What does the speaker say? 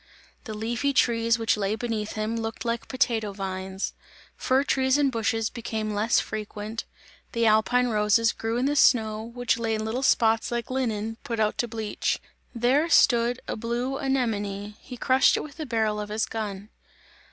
The leafy trees which lay beneath him, looked like potato vines; fir trees and bushes became less frequent; the alpine roses grew in the snow, which lay in little spots like linen put out to bleach. There stood a blue anemone, he crushed it with the barrel of his gun.